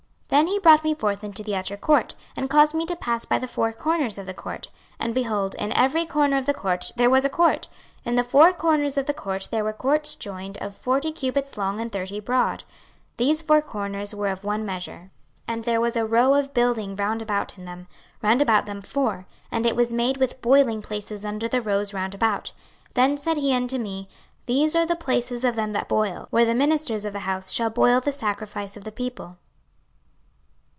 26:046:021 Then he brought me forth into the utter court, and caused me to pass by the four corners of the court; and, behold, in every corner of the court there was a court. 26:046:022 In the four corners of the court there were courts joined of forty cubits long and thirty broad: these four corners were of one measure. 26:046:023 And there was a row of building round about in them, round about them four, and it was made with boiling places under the rows round about. 26:046:024 Then said he unto me, These are the places of them that boil, where the ministers of the house shall boil the sacrifice of the people.